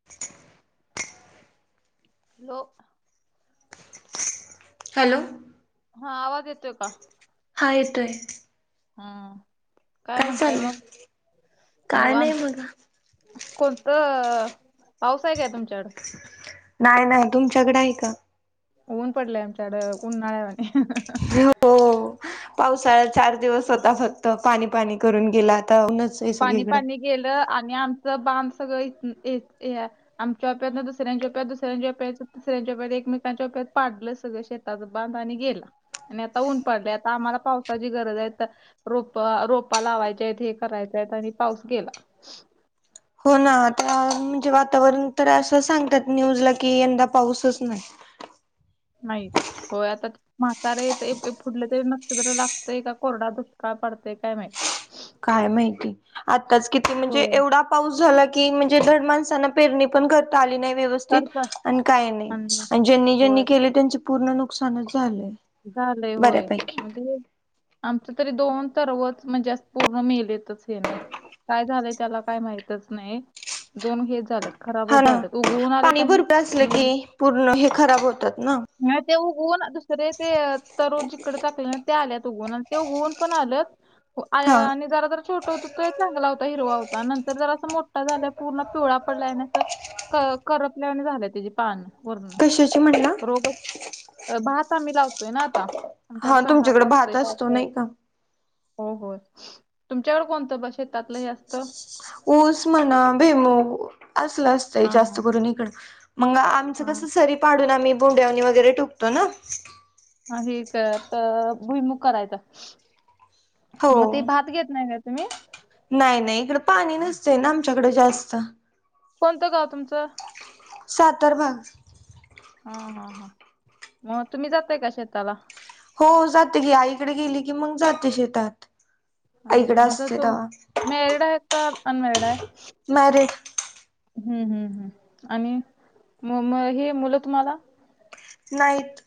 [inaudible] Low. Hello. हा आवाज येतोय का. हा येतोय. हम्म काय म्हणताय मग काय नाही निवांत. बघा कोणतं पाऊस आय काय तुमच्याकड? नाही नाही तुमच्याकडं आहे का? ऊन पडलंय आमच्याकड ऊनाळ्यावाणी अ हं हं. हो पावसाळा चार दिवस होता फक्त पाणी पाणी करून गेलाय. आता ऊनच आहे पाणी सगळीकडं. पाणी गेलं आणि आमचं बांध सगळं इ त या आमच्या प्यात ना दुसऱ्यांच्याोप्यात दुसऱ्यांच्याप्यात तिऱ्यांच्याप्यात एकमेकच्याप्यात पाडलं सगळं शेत. त्यात बांध आणि गेला आणि आता ऊन पडलयं आता आम्हाला पावसाची गरज आहे तर रोपं रोपा लावायच्या आहेत हे करायचे आहेत आणि पाऊस गेला. हो ना आता म्हणजे वातावरण तर असं सांगतात न्यूजला की यंदा पाऊसच नाही. नाहीत होय आता म्हातार येतयं पुुढलं ते नक्षत्र लागतेय का कोरडा दुष्काळ पडतय काय माहित. काय माहिती आत्ताच किती म्हणजे हो एवढं आप पाऊस झाला की म्हणजे धड माणसांना पेरणी पण करता आली नाही व्यवस्थ तीत करतात आणि काही नाही आणि ज्यांनी ज्यांनी होय केलयं त्यांचे पूर्ण नुकसानच झालंयं. झालयं होय म्हणजे आमच तरी दोन तरवच म्हणजे अस पूर्ण मेलेतच हेन. काय झालंय त्याला काय माहितच नाही दोन हेच झाल्यात. हा खराबचं ना झालंत उगवून आलेत पाणी आणि भरपूर असलं की पूर्ण हे खराब होतात ना. ह ते उगऊन दुसरे ते तरु जिकडं टाकल्यात ना ते आल्यात उगवुन आणि ते उगवून पण आल्यात. आय हा आणि जरा जर छोटं होत त चांगला होता हिरवा होता नंतर जरासं मोठा झाला पूर्ण पिवळा पडलाय आणि असं करपल्यानी झालंय त्याजी पान वरण. कशाची म्हणला. अ भात आम्ही लावतोय ना आता, हा आमच्याकडे भात तुमच्याकडे असतोय असतो पावसाळ्यात. नाही का हो होय. तुमच्याकडे कोणतं बसे शेतातलं हे असतं? ऊस म्हणा, भुईमूग असलं असं सई हा जास्त हा करून इकडं, मग आमचं हा कसं सरी पाडून आम्ही भोंड्यावरणी वगैरे टुकतो ना. ह हेक तर अ भुईमुग करायचं, हो मग ते भात घेत नाही त्यात. तुम्ही नाही नाही इकडं पाणी नसतय ना आमच्याकडें जास्त. कोणत गाव तुमचं. सातर भाग हा हा हा मग तुम्ही जातय का शेताला. हो जाते गी आईकडे गेली की मग जाते शेतात. हा ह आईकडे म असते तुम तेव्हा मॅरिड आहेत का अनमॅरिड आहे. मॅरिड. हम्म हम्म हम्म आणि म म हे मुलं तुम्हाला. नाईत.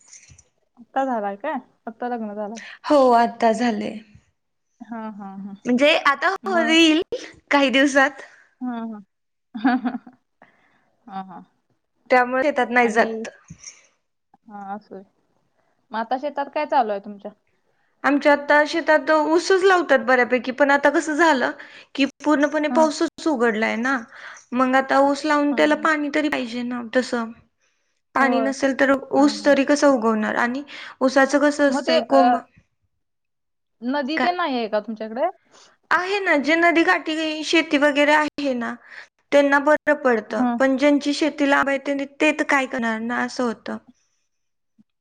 आत्ता झालाय का आत्ता लग्न. झालं असेल. हो आता झाले. हा हा हा. म्हणजे आता हो होरील काही दिवसात. हम्म ह हा हा हा हा हा. त्यामुळे त्यात नाही जात. हा असोय म आाता शेतात काय चालू आहे तुमच्या? आमच्या आता शेतात ऊसच लावतात बऱ्यापैकी पण आता कसं झालं की पूर्णपणे हां पाऊसच उघडलाय ना मंग आता ऊस लावून त्याला हां पाणी तरी पाहिजे. जे न तसं आणि होय. नसेल तर हां ऊस हां तरी. कसं उगवणार आणि उसाचं कसं मग ते असतंय अ, कोंब. नदी काय ते नाही आहे का तुमच्याकडे. आहे ना जे नदी काठी घई शेती वगैर आहे ना त्यांना ब र पडत हां पण ज्यांची शेती लांब आहे त्यांनी ते त काय करनार न असं होत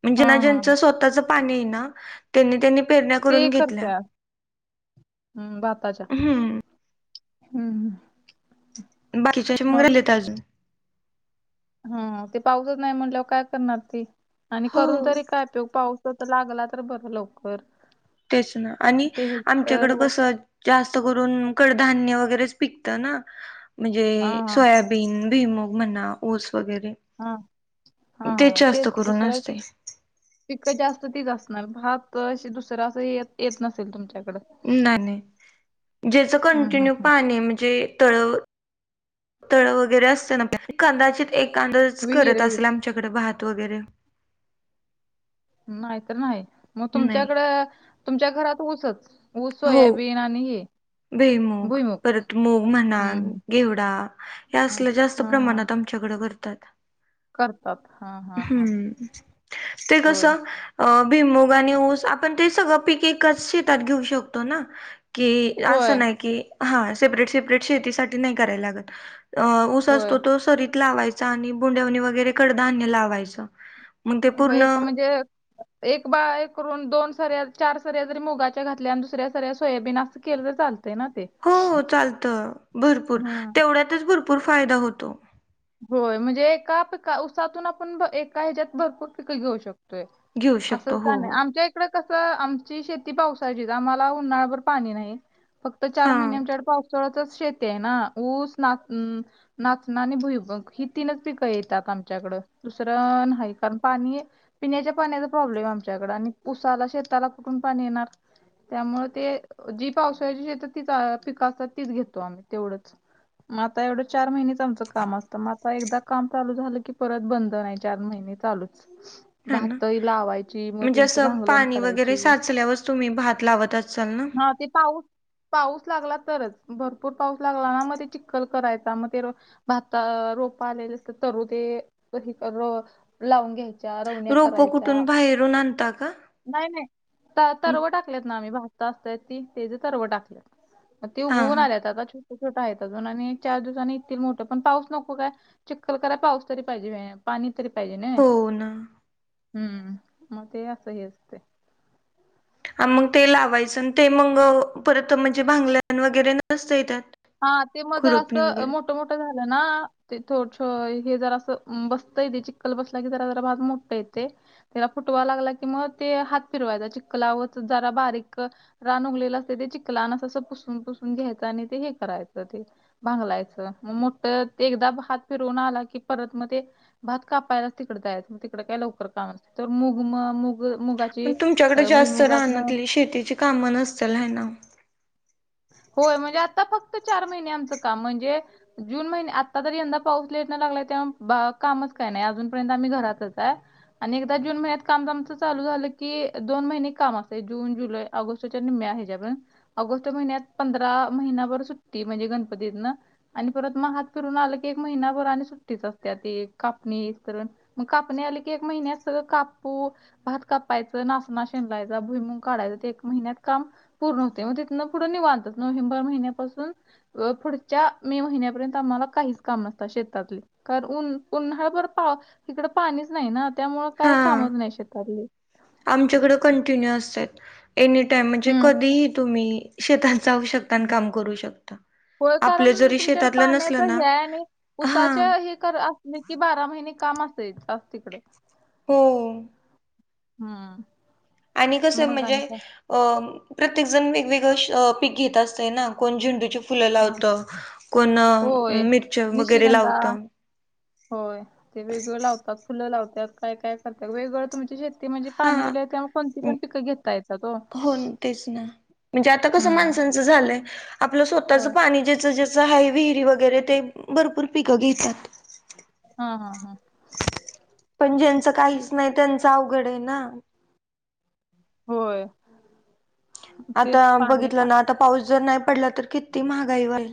म्हणजे ना हां हां ज्यांच हां स्वतचं. पाणी आहे ना त्यांनी त्यांनी पेरण्या करून घेतल्या. हम्म भाताच्या हम्म हम्म ह. बाकीच्यांचे मग राहिलेत अजून हा हा ते पाऊसच नाही म्हटल्यावर काय करणार ती आणि हो करून तरी काय पेऊ पाऊ. तो तर लागला तर बरं लवकर. तेच ना आणि ते अ, आमच्याकडं कसं. जास्त करून कडधान्य वगैरेच पिकत ना म्हणजे हा हा सोयाबी बेन भुईमूग म्हणा ऊस वगैरे हा हा ते हा जास्त तेच की करून दुसऱ्याला असते पीक पिकं जास्त तीच असणार भााप अश दुसरं असं येत येत नसेल तुमच्याकड. नाही नाही ज्याच हम्म हम्म कंटिन्यू हम्म पाणी म्हणजे टळव. तळ वगैरे असते ना कांदाचित एक कांदाच विहीर करत विहीर असल्या. त्याच्याकडे भात वगैरे. नाही तर नाही मग नाही तुमच्याकडं तुमच्या घरात ऊसच. हो सोयेबीन आणि ये. भुईमूग परत मूग म्हणा गेवडा हम्म. यासलं जास्त हा हा हा प्रमानात आ आमच्याकड करतात. करतात हा हा हा हम्म ते होय कसं. अ भिमुग आणि ऊस आपण ते सगळं पिक एकच शेतात घेऊ शकतो ना की. होय असं नाही कि हा सेपरेट सेपरेट शेतीसाठी नाही कराय लागत. अ ऊस होय असतो तो सरीत लावायचा आणि बुंडवणी वगैरे कडधान्य लावायचं. मग ते पूर्ण होय का म्हणजे. एक बाये करून दोन सऱ्या चार सर्या जरी मुगाच्या घातल्या आणि दुसऱ्या सऱ्या सोयाबीन अस केलं तर चालतय ना ते? हो चालतं भरपूर हम्म. तेवढ्यातच भरपूर फायदा होतो. होय म्हणजे एका पिक उसातून आपण एका ह्याच्यात भरपूर पिक घेऊ शकतो. घेऊ शकतो असंच का हो हो नाही आमच्या. त कस आमची शेती पावसाळची आम्हाला उन्हाळ्याभर पाणी नाही. फक्त चार हा महिन्यांमच्याकडे पावसाळ्याचच शेत आहे ना ऊस नाच नाचणं आणि भुई. मग ही तीनच पिकं येतात आमच्याकडं दुसरं नाही कारण पाणी. पिण्याच्या पाण्याचा प्रॉब्लेम आहे आमच्याकं आणि पुसाला शेताला कुठून पाणी येणार. त्यामुळे ते जी पावसाळ्याची शेतात तीच पिक असतात तीच घेतो आम्ही तेवढंच. म आता एवढं चार महिने. तुमचं काम मग आ एक काम चालू झालं की परत बंद नाही चार महिने चालूच. हा ना. भातही लावायची मग म्हणजे त्यांची असं भांगलण पाणी करायची वगैरे साचल्यावरच तुम्ही भात लावत असाल ना? ह. ते पाऊस. पाऊस लागला तरच भरपूर पाऊस लागला ना मग ते चिखल करायचा मग ते भात तर रोप आल्या नसते तरुते कधी परत लावून घेत रोप कुठून बाहेरून आणता का? नाही नाही तरव टाकलेत ना आम्ही भजता असतय ती ते ज तरव टाकलेत. ते हा उघवून आलेत आता छोटे छोटा आहेत अजून आणि चार दिवसाांनी इथ मोठं पण पाऊस. नको काय चिक्खल क राय पाऊस तरी पाहिजे पाणी तरी पाहिजे ना. हो ना हम्म मग ते असं ह असतं. हा मग ते लावायचं आणि ते मग परत म्हणजे भांगल्या वगैरे नसते त्यात. हा ते माझं असं मो मोठ मोठ मोठ झालं ना ते थोडस हे जरा असं बसतं ते चिककल बसला की जरा जरा भात मो येते त्याला फुटवा लागला की मग ते हात फिरवायचा चिखला व जरा बारीक. रान उगलेलं असते ते चिकलान अस असं पुसून पुसून घ्यायचं आणि ते हे करायचं ते. भांगलायचं मग मोठ ते एकदा हात फिरवून आला की परत मग ते. भात कापायलाच तिकड जायचं मग तिकडे काय लवकर काम असते तर मुग म मूग मुगाची मण तुमच्याकडे अं, जास्त भुईमुगातनं राहनाली शेतीची कामं नसतीलल आहे ना. होय म्हणजे आता फक्त चार महिने आमचं काम म्हणजे. जून महिने आत्ता तरी यंदा पाऊस लेट न लागलाय ते हा कामच काय नाही अजूनपर्यंत आम्ही घरातच आहे. आणि एकदा जून महिन्यात काममच चालू झालं की दोन महिने काम असे जून जुलै ऑगस्ट च्या निम्म्या ह्याच्यापर्यंत ऑगस्ट महिन्यात पंधरा महिनभर सुट्टी म्हणजे गणपतीतना. आणि परत मग हात फिरून आलं की एक महिनाभर आणि सुट्टीच असते त कापणी तरण. मग कापणे आले की एक महिन्या अस कापू. भात कापायच नाशना शेनलायचा भुईमंग काढायच ते एक महिन्यात काम पूर्ण होते. मग ते न पुढे निवांतात नोव्हेंबर महिन्यापासून. पुढच्या मे महिन्यापर्यंत आम्हाला काहीच काम नसतात शेतातले. कारण उन उन्हाळ बर पाव इकडं पाणीच नाही ना त्यामु काय कामच नाही शेतातले. आमच्याकड कंटिन्यू असत एनीटाइम म्हणजे हम्म. कधीही तुम्ही. शेतात जाऊ शक तन काम करू शकतात, होय आपलं कारण जरी तुमच्याकडे शेतातलं नसल ना हा. तर असलं की बारा महिने काम असायचं आत्तिकड. हो. हम्म. आणि कसं मग म्हणजे आणि काय? अं प्रत्येक जण वेगवेगळे पीक घेत असतंय ना. कोण झेंडूचे फुलं हां. लावत, कोण होय. मिरच वगैरे निशिगंधा लावत. होय ते वेगळं लावतात फुलं लावतात काय काय करतात वेगळं तुम शेती म्हणजे हा पाणी हे हूलय त्यामुळे कोणती म- पण पिकं घेतताय हो तेच ना म्हणजे आता कस हम्म. माणसांचं झालंय आपलं स्वतःच होय पाणी ज्याच. ज हाई विहिरी वगैरे ते भरपूर पिकं घेतात. हा, हा, हा. पण ज्यांचं काहीच नाही त्यांचं अवघड आहे ना. होय. ते आता पाणी बघितलं पा ना आता पाऊस जर नाही पडला, तर किती महागाई व्हईल.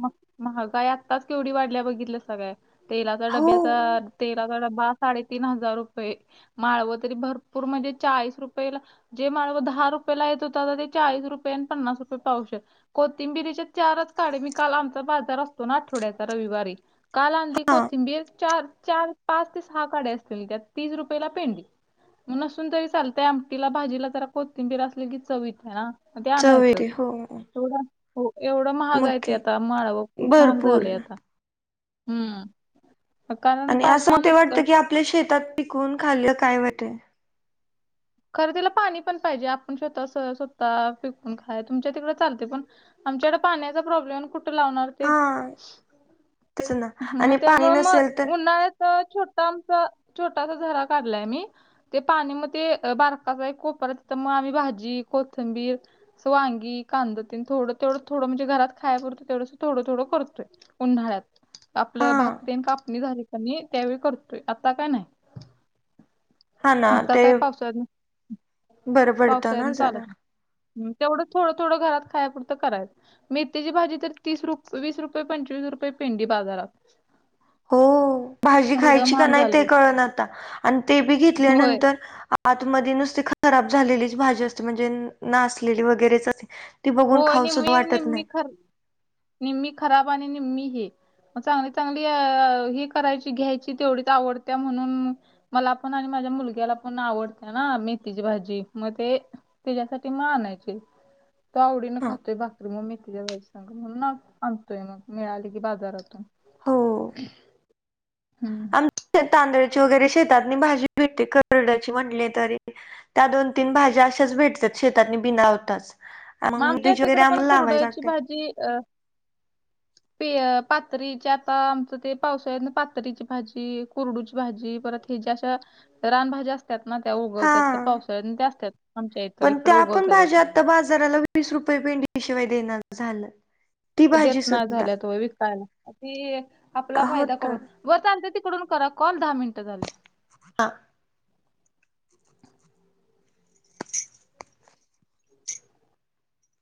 म महागाई आत्ताच केवढी वाढल्या बघितल्यासा काय? तेलाचा हो डब्याचा तेलाचा डब्बा साडेतीन हजार रुपये, माळव तरी भरपूर म्हणजे चाळीस रुपयेला जे माळव दहा रुपयेला येत होत आता ते चाळीस रुपये आणि पन्नास रुपये पावशेर. कोथिंबिरीच्या चारच काड्या मी काल आमचा बाजार असतो ना आठवड्याचा रविवारी, काल आणली हा कोथिंबीर चार चार पाच ते सहा काड्या असतील त्यात तीस रुपयेला पेंडी. मग नसून तरी चालतंय आमटीला, भाजीला जरा कोथिंबीर असली की चव येती ना. मग ते चव आणायचं. येते हो तेवढं हो एवढं महाग मग आहे ते काय आता माळव खूप महाग भरपूर झालंय आता. हम्म, कारण आणि असं मग पावसान ते नुसकं वाटतं की आपल्या शेतात पिकवुन खाल्लं काय वाईट हाय. खरं तिला पाणी पण पाहिजे. आपण शेतात स्वतः पिकून खाय तुमच्या तिकड चालते पण आमच्याकडं पाण्याचा प्रॉब्लेम आणि कुठे लावणार? ते हा तेच ना मग आणि पाणी त्यामुळं नसेल तर मग उन्हाळ्यात तर छोट आमच छोटासा झरा काढलाय मी ते पाणी मग ते बारकासा एक कोपरा तिथं मग आम्ही भाजी, कोथंबीर असं वांगी, कांद तेन थोडं तेवढं थोडं म्हणजे घरात खाया पुरतं तेवढंस थोडं थोडं करतोय. उन्हाळ्यात. हा आपलं भात तेन कापणी झाली की नई त्यावेळी करतोय, आता काय नाही. हा ना आता ते काय पावसाळ्यात बरं पडतं ना पावसाळ्यात चालत जरा नाही. हम्म तेवढं थोडं थोडं घरात खाया पुरतं परं करायच. मेथीची भाजी तर तीस रु वीस रुपये, पंचवीस रुपये पेंडी बाजारात. हो भाजी एवढं खायची का महाग नाही ते झालंय. कळ ना आता आणि ते बी होय. घेतल्यानंतर आतमध्ये नुसती खराब झालेलीच भाजी असते. म्हणजे नासलेली वगैरेच अशी ती बघून होय खाऊ निम्मी सुद्धा वाटत निम्मी नाही. खर निम्मी खराब आणि निम्मी हे मग चांगली चांगली अ ही करायची घ्यायची तेवढीच आवडत्या म्हणून मला पण आणि माझ्या मुलग्याला पण आवडत्या ना मेथीची भाजी. मग ते तेच्यासाठी मग आणायची. तो आवडीने हा खातोय भाकरी, मग मेथीच्या भाजीसंग म्हणून ना आणतोय मग मिळाली की बाजारातून. हो हम्म. ते तांदळाची वगैरे शेतातनी भाजी भेटते करडाची म्हटली तरी. त्या दोन तीन भाज्या अशाच भेटतात शेतातनी बिना लावताच. मग आमच्या मेथीची वगैरे तिकड पण आम्हाला लावायला कुरडयाची लागते. भाजी अ ते पातरीचे आता आमचं ते पावसाळ्या पातरीची भाजी, कुरडूची भाजी परत ती ज्या अशा रानभाज्या अस त्यातनं त्या उगवत्यात त्या हा. पावसाळ्यात तेन असत्यात आमच्या इथं पण इकडे त्या पण उगवत्यात आता. भाज्या आता बाजाराला वीस रुपये पेंडीशिवाय दिना झालेत. देत नाही झाल्यात होय विकायला. ती आपला हो फायदा तर. करून होता ना ते तिकडून करा कॉल दहा मिनिटं झाली. [unintelligible]